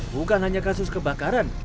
bukan hanya kasus kebakaran